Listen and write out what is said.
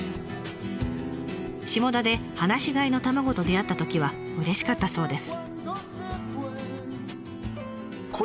下田で放し飼いの卵と出会ったときはうれしかったそうです。